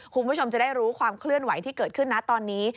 คุณผู้ชมจะได้รู้ความเคลื่อนไหวที่เกิดขึ้นนะตอนนี้